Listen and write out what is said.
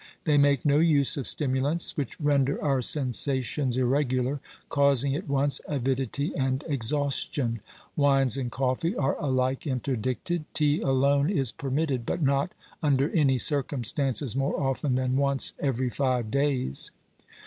They make no use of stimulants, which render our sensations irregular, causing at once avidity and exhaustion ; wines and coffee are alike interdicted ; tea alone is permitted, but not under any circumstances more often than once every five days.